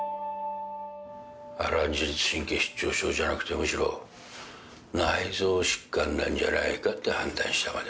あれは自律神経失調症じゃなくてむしろ内臓疾患なんじゃないかって判断したまでだ。